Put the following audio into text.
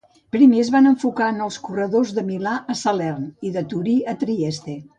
Primer es van enfocar en els corredors de Milà a Salern i de Turí a Trieste.